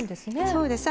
そうです。